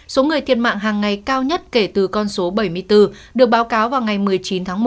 số người thiệt mạng hàng ngày cao nhất kể từ con số bảy mươi bốn được báo cáo vào ngày một mươi chín tháng một